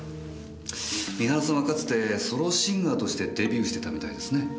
三原さんはかつてソロシンガーとしてデビューしてたみたいですね。